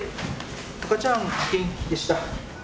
赤ちゃんは元気でした。